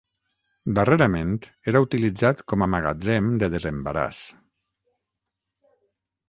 Darrerament era utilitzat com a magatzem de desembaràs.